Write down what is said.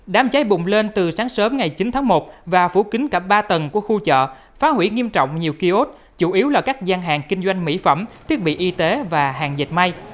đám cháy bùng lên từ sáng sớm ngày chín tháng một và phủ kính cả ba tầng của khu chợ phá hủy nghiêm trọng nhiều kiosk chủ yếu là các gian hàng kinh doanh mỹ phẩm thiết bị y tế và hàng dệt may